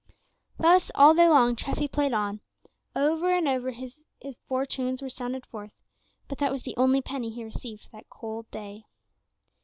Thus all day long Treffy played on; over and over again his four tunes were sounded forth, but that was the only penny he received that cold day.